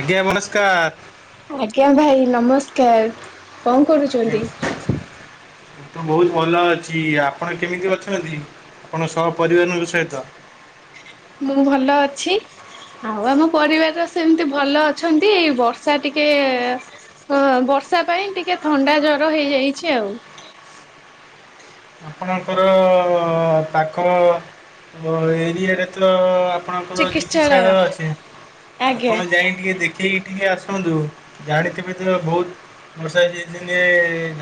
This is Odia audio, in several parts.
ଆଜ୍ଞା ନମସ୍କାର। ଆଜ୍ଞା ଭାଇ ନମସ୍କାର। କଣ କରୁଚନ୍ତି? ଏ ତ ବହୁତ ଭଲ ଅଛି। ଆପଣ କେମିତି ଅଛନ୍ତି ଆପଣ ସ ପରିବାରଙ୍କ ସହିତ? ମୁଁ ଭଲ ଅଛି। ଆଉ ଆମ ପରିବାର ସେମିତି ଭଲ ଅଛନ୍ତି। ଏଇ ବର୍ଷା ଟିକେ ଅ ବର୍ଷା ପାଇଁ ଟିକେ ଥଣ୍ଡା ଜର ହେଇଯାଇଚି ଆଉ। ଆପଣଙ୍କର ପାଖ ଏରିଆଟ ତ ଆପଣଙ୍କର ଚିକିତ୍ସାଳୟ ଅଛି, ଆଜ୍ଞା ଆପଣ ଯାଇ ଟିକେ ଦେଖିକି ଟିକେ ଆସନ୍ତୁ। ଜାଣିଥିବେ ତ ବହୁତ ବର୍ଷା ହେଛି ଦିନେ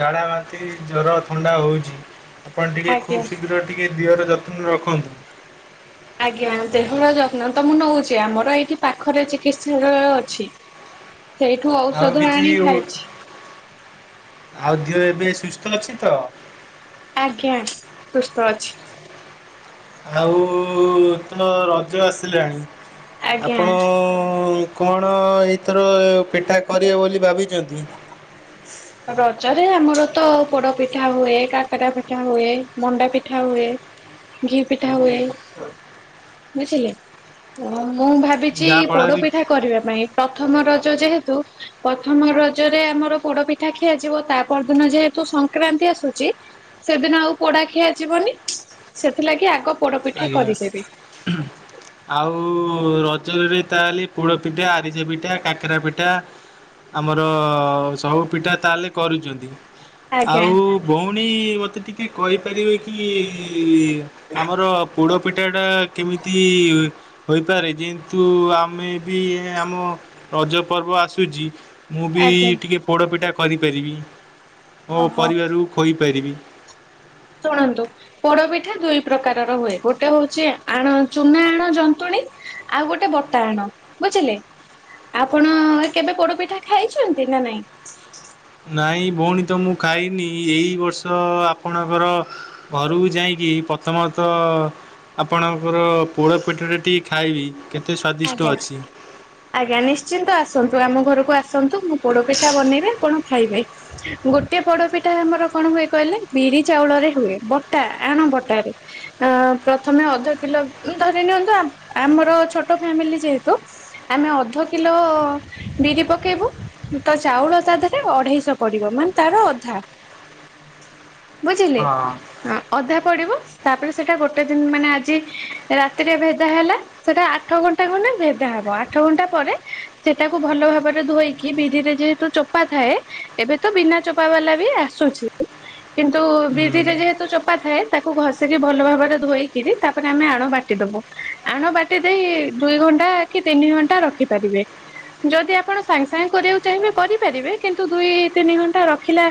ଝାଡ଼ ଭନ୍ତି ଜର ଥଣ୍ଡା ହଉଚି। ଆପଣ ଟିକେ ଆଜ୍ଞା। ଖୁବ୍ ଶୀଘ୍ର ଟିକେ ଦିଅର ଯତ୍ନ ଯତ୍ନ ରଖନ୍ତୁ। ଆଜ୍ଞା ଦେହର ଯତ୍ନ ତ ମୁଁ ନଉଚି, ଆମର ଏଇଠି ପାଖରେ ଚିକିତ୍ସାଳୟ ଅଛି। ସେଇଠୁ ଆଉ ଔଷଧ କିଛି ଆଣି ଖାଇଛି। ଆଉ ଦିଅ ଏବେ ସୁସ୍ଥ ଅଛି ତ? ଆଜ୍ଞା ସୁସ୍ଥ ଅଛି। ଆଉ ତମ ରଜ ଆସିଲାଣି? ଆଜ୍ଞା। ଆପଣ କଣ ଏଥର ପିଠା କରିବେ ବୋଲି ଭାବିଛନ୍ତି? ରଜରେ ଆମର ତ ପୋଡ ପିଠା ହୁଏ, କାକରା ପିଠା ହୁଏ, ମଣ୍ଡା ପିଠା ହୁଏ, ଘି ପିଠା ହୁଏ ବୁଝିଲେ। ଓ ମୁଁ ଭାବିଚି ଯାହାଫଳରେ ପୋଡପିଠା କରିବା ପାଇଁ ପ୍ରଥମର ଯେହେତୁ ପ୍ରଥମ ରଜରେ ଆମର ପୋଡପିଠା ପିଠା ଖିଆଯିବ ତା ପର ଦିନ ଯେହେତୁ ସଂକ୍ରାନ୍ତି ଆସୁଚି, ସେଦିନ ଆଉ ପୋଡା ଖିଆଯିବନି ସେଥିଲାଗି ଆଗ ପୋଡପିଠା ଆଜ୍ଞା କରିଦେବି ଆଉ ର ରଜରେ ତାହେଲେ ପୋଡ଼ ପିଠା ଆରିସା ପିଠା କାକରା ପିଠା ଆମର ସବୁ ପିଠା ତାହେଲେ କରୁଛନ୍ତି। ଆଜ୍ଞା ଆଉ ଭଉଣୀ ମତେ ଟି କିଏ କହିପାରିବେ କି କି ଆମର ପୋଡ଼ ପିଠାଟା କେମିତି ହୋଇପାରେ ଯେହେତୁ ଆମେ ବି ଆମ ରଜ ପର୍ବ ଆସୁଛି। ମୁଁ ବି ଆଜ୍ଞା ଟିକେ ପୋଡ଼ପିଠା କରି କରିପାରିବି। ଓ ଓହୋ ପରିବାରରୁ ଖୋଇ ଫେରିବି। ଶୁଣନ୍ତୁ ପୋଡପିଠା ଦୁଇ ପ୍ରକାରର ହୁଏ ଗୋଟେ ହଉଛି ଆଣ ଚୁନା ଆଣ ଜନ୍ତୁଣୀ ଆଉ ଗୋଟେ ବତା ଆଣ ବୁଝିଲେ। ଆପଣ କେବେ ପୋଡପିଠା ଖାଇଛନ୍ତି ନା ନାଇଁ? ନାଇଁ ଭଉଣୀ ତ ମୁଁ ଖାଇନି ଏଇ ବର୍ଷ ଆପଣଙ୍କର ଘର ଘରକୁ ଯାଇକି ପ୍ରଥମତଃ ଆପଣଙ୍କର ପୋଡ ପିଠାଟା ଟିକେ ଖାଇବି। କେତେ ସ୍ଵାଦିଷ୍ଟ ଆଜ୍ଞା। ଅଛି ଆଜ୍ଞା ନିଶ୍ଚିନ୍ତ ଆସ ନ୍ତୁ ଆମ ଘରକୁ ଆସ ଆସନ୍ତୁ ମୁଁ ପୋଡପିଠା ବନେଇବେ ଆପଣ ଖାଇବେ ଗୋଟେ ପୋଡପିଠା ଆମର କଣ ହୁଏ କହିଲେ ବିରି ଚାଉଳରେ ହୁଏ ବଟା ଆଣ ବଟାରେ ଅ ପ୍ରଥମେ ଅଧ କିଲୋ ଧରି ନିଅନ୍ତୁ ଆମର ଛୋଟ ଛୋଟ ଫ୍ୟାମିଲି ଯେହେତୁ ଆମେ ଅଧ କିଲୋ ବିରି ପକେଇବୁ ତ ଚାଉଳ ତା ଦେହରେ ଅଢେଇଶ ପଡିବ ମାନେ ତାର ଅଧା। ବୁଝିଲେ ଆ- ଅଧା ପଡିବ ତାପରେ ସେଟା ଗୋଟେ ଦିନ ମାନେ ଆଜି ରାତିରେ ଭେଦା ହେଲା ସେଟା ଆଟ୍ ଆଠ ଘଣ୍ଟା ଖଣ୍ଡେ ଭେଦା ହବ ଆଠ ଘଣ୍ଟା ପରେ ସେଟାକୁ ଭଲ ଭାବରେ ଧୋଇକି ବିରିରେ ଯେହେତୁ ଚୋପା ଥାଏ ଏବେ ତ ବିନା ଚୋପା ବାଲା ବି ଆସୁଛି କିନ୍ତୁ ହଁ ବିରିରେ ଯେହେତୁ ଚୋପା ଥାଏ ତାକୁ ଘଷିକି ଭଲ ଭାବରେ ଧୋଇକିରି ତାପରେ ଆମେ ଆଣୁ ବାଟିଦବୁ ଆଣବାଟି ସେଇ ଦୁଇ ଘଣ୍ଟା କି ତିନି ଘଣ୍ଟା ରଖିପାରିବେ ଯଦି ଆପଣ ସାଙ୍ଗେ ସାଙ୍ଗେ କରିବାକୁ ଚାହିଁବେ କରିପାରିବେ କିନ୍ତୁ ଦୁଇ ତିନି ଘଣ୍ଟା ରଖିଲା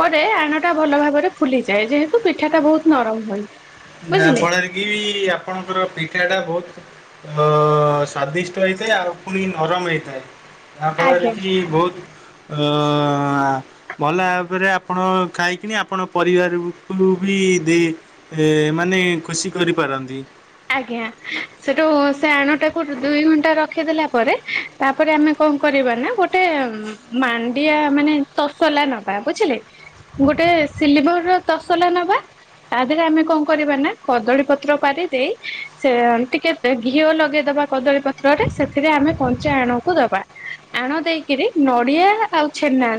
ପରେ ଆଣଟା ଭଲ ଭାବରେ ଫୁଲିଯାଏ ଯେହେତୁ ପିଠାଟା ବହୁତ ନରମ ହୁଏ। ଯାହା ବୁଝିଲେ। ଫଳରେ କି ଆପଣଙ୍କର ପିଠା ଟା ବହୁତ ଅ ସ୍ଵାଦିଷ୍ଟ ହେଇଥାଏ ଆଉ ପୁଣି ନରମ ହେଇଥାଏ। ଯାହାଫଳରେ ଆଜ୍ଞା କି ବହୁତ ଅ ଅ ଅ ଭଲ ଭାବରେ ଆପଣ ଖାଇକିନି ଆପଣ ପରିବାରକୁ ବି ଦେଇ ଏ ମାନେ ଖୁସି କରିପାରନ୍ତି। ଆଣ ତାକୁ ଦୁଇ ଘଣ୍ଟା ର ରଖିଦଲା ପରେ ତାପରେ ଆମେ କଣ କରିବା ନା ଗୋଟେ ମାଣ୍ଡିଆ ମାନେ ତସଲା ନବା ବୁଝିଲେ ଗୋଟେ ସିଲଭର ର ତସଲା ନବା ତା ଦେହରେ ଆମେ କଣ କରିବା ନା କଦଳୀ ପତ୍ର ପାରି ଦେଇ ସେ ଟିକେ ଘିଅ ଲଗେଇଦବା କଦଳୀ ପତ୍ରରେ ସେଥିରେ ଆମେ କଞ୍ଚା ଆଣୁକୁ ଦବା ଆଣ ଦେଇକିରି ନଡିଆ ଆଉ ଛେନା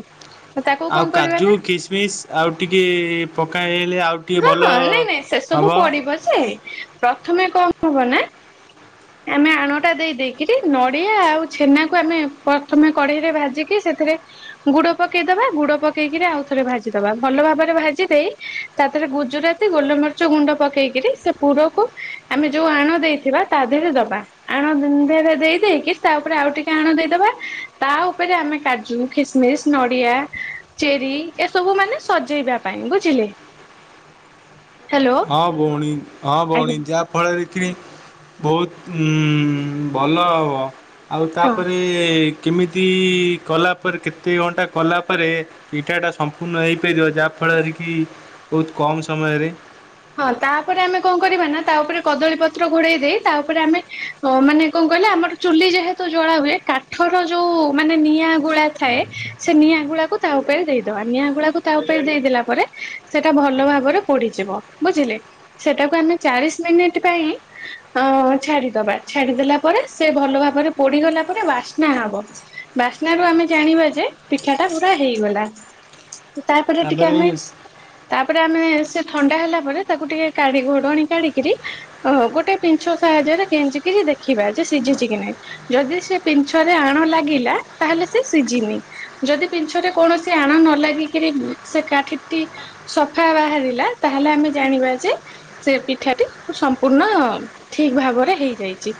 ତାକୁ କଣ ଆଉ କରିବା କାଜୁ ନା କିସମିସ ଆଉ ଟିକେ ପକାଏ ହଁ ହଁ ନାଇଁ ନାଇଁ ସେ ସବୁ ପଡିବ ଯେ ପ୍ରଥମେ କଁ ଣ ହବ ନା ଆମେ ଆଣଟା ଦେଇ ଦେଇକିରି ନଡିଆ ଆଉ ଛେନାକୁ ଆମେ ପ୍ରଥମେ କଢେଇରେ ଭାଜିିକି ସେଥିରେ ଗୁଡ ପକେଇଦବା ଗୁଡ ପକେଇକିରି ଆଉ ଥରେ ଭାଜିଦବା ଭଲ ଭାବରେ ଭାଜି ଦେଇ ତା ଦେହରେ ଗୁଜୁରାତି ଗୋଲମରିଚ ଗୁଣ୍ଡ ପକେଇକିରି ସେ ପୁରକୁ ଆମେ ଯୋଉ ଆଣ ଦେଇଥିବା ତା ଦେହରେ ଦବା ଆଣରେ ଦେଇ ଦେଇେଇକି ତା ଉପରେ ଆଉ ଟିକେ ଆଣ ଦେଇଦବା ତା ଉପରେ ଆମେ କାଜୁ ଖିସମିସ ନଡିଆ ଚେରି ଏସବୁ ମାନେ ସଜେଇବା ପାଇଁ ବୁଝିଲେ। ହ୍ୟାଲୋ ହଁ ଭଉଣୀ ହଁ ଭଉଣୀ ଆଜ୍ଞା ଯାହା ଫଳରେ କି ବହୁତ ଉଁ ଭଲ ହବ। ଆଉ ହଁ ତାପରେ ଏ- କେମିତି କଲା ପରେ କେତେ ଘଣ୍ଟା କଲା ପରେ ଏଇଟାଟା ସମ୍ପୂର୍ଣ୍ଣ ଏଇ େଇଦବ ଯାହା ଫଳରେ କି ବହୁତ କମ ସମୟରେ ହଁ ତାପରେ ଆମେ କଣ କରିବା ନା ତା ଉପରେ କଦଳୀ ପତ୍ର ଘୋଡେଇ ଦେଇ ତା ଉପରେ ଆମେ ମାନେ କଣ କହିଲ ଆମର ଚୁଲି ଯେହେତୁ ଜଳା ହୁଏ କାଠର ଯୋଉ ମାନେ ନିଆଁ ଗୁଳା ଥାଏ ସେ ନିଆଁ ଗୁଳାକୁ ତା ଉପରେ ଦେଇଦବା ନିଆଁ ଗୁଳାକୁ ତା ଉପରେ ଦେଇଦେଲା ପରେ ସେଟା ଭଲ ଭାବରେ ପୋଡିଯିବ। ବୁଝିଲେ ସେଟାକୁ ଆମେ ଚାଳିଶ ମିନିଟ ପାଇଁ ଛାଡିଦବା ଅଁ-ଛାଡିଦଲା ପରେ ସେ ଭଲ ଭାବରେ ପୋଡିଗଲା ପରେ ବାସ୍ନା ହବ ବାସ୍ନାରୁ ଆମେ ଜାଣିବା ଯେ ପିଠାଟା ପୁରା ହେଇଗଲା। ତାପରେ ଟିକେ ଆମେ ତାପରେ ଆମେ ସେ ଥଣ୍ଡା ହେଲା ତାକୁ ଟିକେ କାଢି-ଘୋଡଣୀ କାଢିକିରି ଗୋଟେ ପିଂଛ ସାହାଯ୍ୟରେ ଗେଞ୍ଜିକିରି ଦେଖିବା ଯେ ସିଝିଛି କି ନାହିଁ ଯଦି ସେ ପିଁଛରେ ଆଣ ଲାଗିଲା ତାହେଲେ ସେ ସିଝିନି ଯଦି ପିଛରେ କୌଣସି ଆଣ ନ ଲାଗିକିରି ସେ କାଠିଟି ସଫା ବାହାରିଲା ତାହେଲେ ଆମେ ଜାଣିବା ଯେ ସେ ପିଠାଟି ସମ୍ପୂର୍ଣ୍ଣ ଠିକ ଭାବରେ ହେଇଯାଇଛି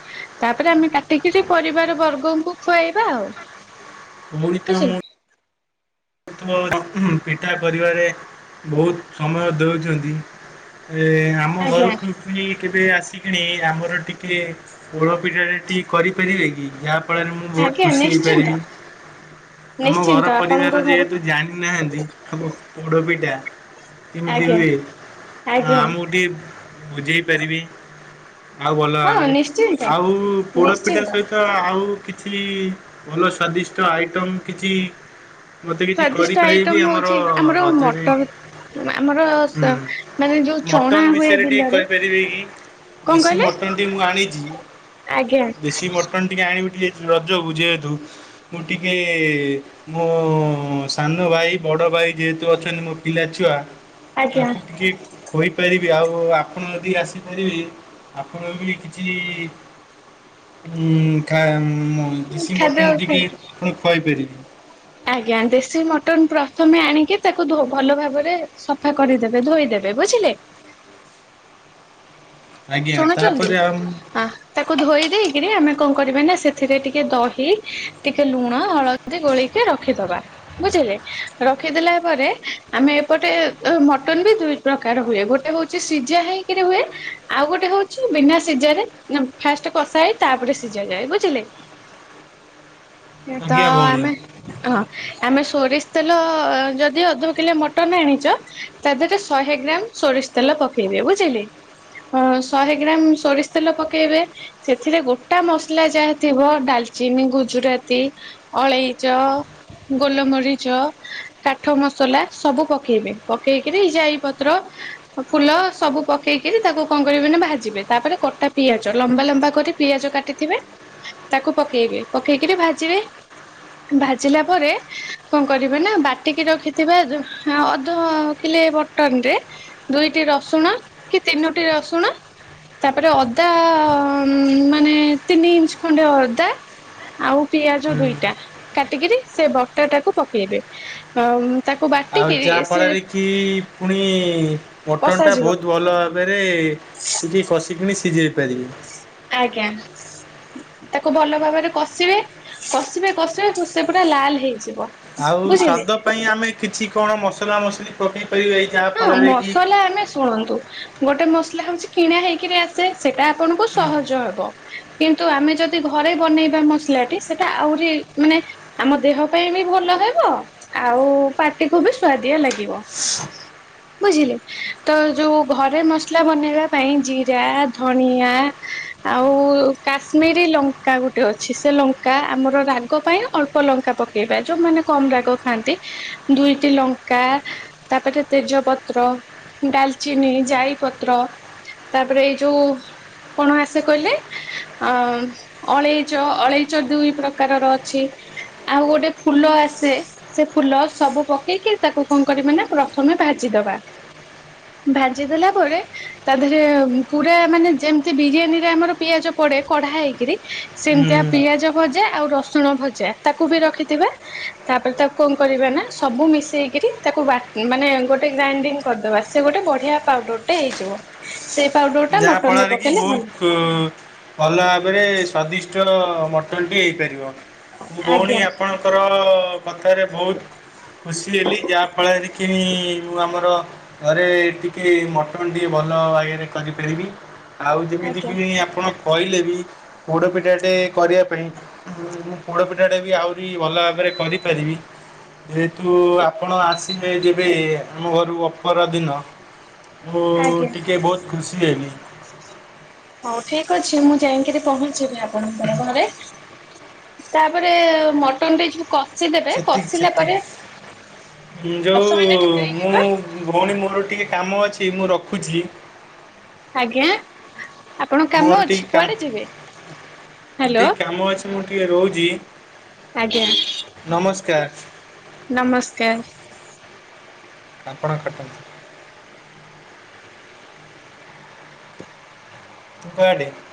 ତାପରେ ଆମେ କାଟିକିରି ପରିବାର ବର୍ଗଙ୍କୁ ଖୁଆଇବା ଆଉ। ବୁଝିଲେ। ଓ ପିଠା କରିବାରେ ବହୁତ ସମୟ ଦେଉଛନ୍ତି। ଆମ ଆଜ୍ଞା ଘରପଣି କେବେ ଆସ କିଣି ଆମର ଟିକିେ ଓଳପି଼ାରେ ଟିକଏ କରିପାରିବେ କି ଯା ଫଳରେ ମୁଁ ବହୁତ ଆଜ୍ଞା ଖୁସି ନିଶ୍ଚିନ୍ତ ହେଇପାରିବି ଆମ ଘର ନିଶ୍ଚିନ୍ତ ପରିବାର ଆପଣଙ୍କ ଘରୁ ଯେହେତୁ ଜାଣିନାହାନ୍ତି। ସବ ପୋଡପିଠ ତ କେମିତି ଆଜ୍ଞା। ହୁଏ ଆ ଆଜ୍ଞା ଆମ ଗୋଟେ ବୁଝେଇ ପାରିବି। ଆଉ ଭଲ ହଁ ଭାବରେ ନିଶ୍ଚିନ୍ତ ଆଉ ପୋଡପିଠା ନିଶ୍ଚିନ୍ତ ସହିତ ଆଉ କିଛି। କିଛି ଭଲ ସଵାଦିଷ୍ଟ ଆଇଟମ୍ କିଛି। ମତେ କିଛି ସ୍ଵାଦିଷ୍ଟ କରିପାରିବି। ଆଇଟମ ଆମର ହଉଛି ଆମର ରଜରେ ମଟର ଆମର ହୁଁ ମାନେ ଯୋଉ ଚଣା ମଟନ୍ ହୁଏ ବିଷୟରେ ଟିକେ ବିଲରେ କହିପାରିବେ କି କଣ ଦେଶୀ କହିଲେ ମଟନ୍ ଟି ମୁଁ ଆଣିଛି ଆଜ୍ଞା। ଦେଶୀ ମଟନ୍ ଟିକେ ଆଣିବି ଟିକେ ରଜକୁ ଯେହେତୁ ମୁଁ ଟିକଏ ମୋ ସାନ ଭାଇ ବଡ ଭାଇ ଯେହେତୁ ଅଛନ୍ତି ମୋ ପିଲା ଛୁଆ ଆଜ୍ଞା ତାକୁ ଟିକେ କହିୋଇ ପାରିବି ଆଉ ଆପଣ ଯଦି ଆସିପାରିବେ ଆପଣ ବି କିଛି। ଁ ଦଶି ଖାଦ୍ୟ ମଟନ୍ ଖାଇ ଟିକିେ ଆପଣ ଖୁଆଇପାରିବେ। ହୁଁ। ଆଜ୍ଞା ଦେଶୀ ମଟନ ପ୍ରଥମେ ଆଣିକି ତାକୁ ଭଲ ଭାବରେ ସଫା କରିଦବେ ଧୋଇଦବେ ବୁଝିଲେ। ଆଜ୍ଞା ଶୁଣୁଛନ୍ତି ତାପରେ ଆଉ ତାକୁ ଧୋଇ ଦେଇକରି ଆମେ କଣ କରିବ ନା ସେଥିରେ ଟିକେ ଦହି ଟିକେ ଲୁଣ ହଳଦୀ ଗୋଳେଇକି ରଖିଦବା ବୁଝିଲେ ରଖିଦଲା ପରେ ଆମେ ଏପଟେ ମଟନ ବି ଦୁଇ ପ୍ରକାର ହୁଏ ଗୋଟେ ହଉଛି ସିଝା ହେଇକିରି ହୁଏ। ଆଉ ଗୋଟେ ହଉଛି ବିନା ସିଝାରେ ଫାଷ୍ଟ କଷା ହେଇ ତାପରେ ସିଝ ଯାଏ ବୁଝିଲେ। ତ ଆଜ୍ଞା ଭଉଣୀ ଆମେ ହଁ ଆମେ ସୋରିଷ ତେଲ ଯଦି ଅଧ କିଲୋ ମଟନ ଆଣିଛ ତା ଦେହରେ ଶହେ ଗ୍ରାମ ସୋରିଷ ତେଲ ପକେଇବି ବୁଝିଲି। ଶହେ ଗ୍ରାମ ସୋରିଷ ତେଲ ପକେଇବେ ସେଥିରେ ଗୋଟା ମସଲା ଯାହା ଥିବ ଡାଲଚିନି ଗୁଜୁରାତି ଅଳେଇଚ ଗୋଲମରିଚ କାଠ ମସଲା ସବୁ ପକେଇବେ ପକେଇକରି ଜାଇ ପତ୍ର ଫୁଲ ସବୁ ପକେଇକରି ତାକୁ କଣ କରିବେ ନା ଭାଜିବେ ତାପରେ କଟା ପିଆଜ ଲମ୍ବା ଲମ୍ବା କରି ପିଆଜ କାଟିଥିବେ ତାକୁ ପକେଇବେ ପକେଇକରି ଭାଜିବେ ଭାଜିଲା ପରେ କଣ କରିବେ ନା ବାଟିକି ରଖିଥିବା ଅଧିଲେ ବଟନ ରେ ଦୁଇଟି ରସୁଣ କି ତିନୋ ଗୋେ ରସୁଣ ତାପରେ ଅଦା ମାନେ ତିନି ଇଞ୍ଚ ଖଣ୍ଡେ ଅଦା ଆଉ ପିଆଜ ଦୁଇଟା କାଟିକିରି ସେ ବଟର ଟାକୁ ପକେଇବେ। ତାକୁ ଆଉ ବାଟିକିରି ଯାହା ସେ ଫଳରେ କି ପୁଣି ମଟନ୍ ଟା କଷାଯିବ ବହୁତ ଭଲ ଭାବରେ କିିକ କ। ଚିକଣି ସିଝେଇ ପାରିବି। ଆଜ୍ଞା ତାକୁ ଭଲ ଭାବରେ କଷିବେ କଷିବେ କଷିବେ ସେ ପୁରା ଲାଲ ହେଇଯିବ। ଆଉ ବୁଝିଲେ ସ୍ଵାଦ ପାଇଁ ଆମେ କିଛି କଣ ମସ ମସଲା ମସଲି ପକେଇ ପାରିବ ଏଇ ଯାହା ହଁ ଫଳରେ କି ମସଲା ଆମେ ଶୁଣନ୍ତୁ। ଗୋଟେ ମସଲା ହଉଛି କିଣା ହେଇକିରି ଆସେ ସେଟା ଆପଣଙ୍କୁ ହୁଁ ସହଜ ହବ କିନ୍ତୁ ଆମେ ଯଦି ଘରେ ବନେଇବା ମସଲାଟି ସେଟା ଆହୁରି ମାନେ ଆମ ଦେହ ପାଇଁ ବି ଭଲ ହେବ ଆଉ ପାଟିକୁ ବି ସୁଵାଦିଆ ଲାଗିବ। ବୁଝିଲେ ତ ଯୋଉ ଘରେ ମସଲା ବନେଇବା ପାଇଁ ଜିରା ଧଣିଆ ଆଉ କାଶ୍ମିରୀ ଲଙ୍କା ଗୋଟେ ଅଛି ସେ ଲଙ୍କା ଆମର ରାଗ ପାଇଁ ଅଳ୍ପ ଲଙ୍କା ପକେଇବା ଯୋଉମାନେ କମ ରାଗ ଖାଆନ୍ତି ଦୁଇଟି ଲଙ୍କା ତାପରେ ତେଜପତ୍ର ଡାଲଚିନି ଜାଇ ପତ୍ର ତାପରେ ଏଇ ଯୋଉ କଣ ଆସେ କହିଲେ ଅ ଅଳେଇଚ ଅଳେଇଚ ଦୁଇ ପ୍ରକାରର ଅଛି ଆଉ ଗୋଟେ ଫୁଲ ଆସେ ସେ ଫୁଲ ସବୁ ପକେଇକି ତାକୁ କଣ କରିବ ନା। ତମେ ଭାଜିଦବା ଭାଜିଦଲା ପରେ ତା ଦେହରେ ପୁରା ମାନେ ଯେମିତି ବିରିୟାନୀରେ ଆମର ପିଆଜ ପଡେ କଢା ହେଇକରି ସେମିତିଆ ପିଆଜ। ଭଜା ଆଉ ରସୁଣ ଭଜା ତାକୁ ବି ରଖିଥିବା। ତାପରେ ତାକୁ କଣ କରିବା ନା ସବୁ ମିଶେଇକରି ତାକୁ ବା ମାନେ ଗୋଟେ ଗ୍ରାଇଣ୍ଡିଙ୍ଗ କରିଦବା ସେ ଗୋଟେ ବଢିଆ ପାଉଡରଟେ ହେଇଯିବ ସେ। ଯାହା ଫଳରେ କି ବହୁତ ଭଲ। ଵାଷ୍ଟ। ମଟନ ଟି ହେଇପାରିବ। ମୁଁ ଭଉଣୀ ଆଜ୍ଞା ଆପଣଙ୍କର? କଥାରେ ବହୁତ ଖୁସି ହେଲି ଯାହାଫଳରେ କି ମୁଁ ଆମର। ଘରେ ଟିକେ ମଟନ ଟିକେ ଭଲ ଆଗରେ କରି ପାରିବି। ଆଉ ଆଜ୍ଞା ଯେମିତିକ ଆପଣ। କହିଲେ ବି ପୋଡ଼ପିଠାଟେ କରିବା ପାଇଁ ମୁଁ ପୋଡ଼ପିଠାଟେ ବି ଆହୁରି ଭଲ ଭାବରେ କରିପାରିବି ଯେହେତୁ ଆପଣ ଆସିବେ ଯେବେ ଆମ ଘରୁ ଅଫର ଦିନ। ମୁ ଆଜ୍ଞା ଟିକେ ବହୁତ ଖୁସି ହେବି। ହଉ ଠିକ ଅଛି ମୁଁ ଯାଇକିରି ପହଞ୍ଚିବି ଆପଣଙ୍କର ଘରେ ତାପରେ ମଟନ ରେ ଯୋଉ କଷିଦେବେ ସେତିକି କଷିଲା ପରେ ସେତିକି ଯୋଉ ଦଶ ମିନିଟ ହେଇନି ମୁଁ ପା ଭଉଣୀ ମୋରରୁ ଟିକେ କାମ ଅଛି। ଏ ମୁଁ ରଖୁଛି। ଆଜ୍ଞା। ଆପଣ କାମ ମୋର ଅଛି ଟିକେ କାମ କୁଆଡେ ଯିବେ ମୋର ହ୍ୟାଲୋ ଟିକେ କାମ ଅଛି ମୁଁ ଟିକେ ରହୁଛି ଆଜ୍ଞା ନମସ୍କାର ନମସ୍କାର। ଆପଣ କଟନ୍ତୁ। ଉପ [unintelligible]